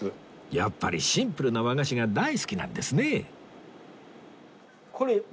やっぱりシンプルな和菓子が大好きなんですね